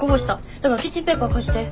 だからキッチンペーパー貸して。